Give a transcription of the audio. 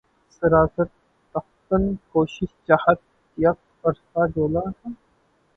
سراسر تاختن کو شش جہت یک عرصہ جولاں تھا